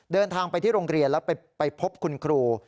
เดินทางไปที่โรงเรียนแล้วไปพบคุณครู